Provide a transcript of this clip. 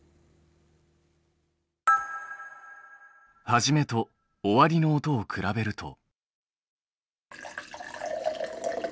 はじめとおわりの音を比べると。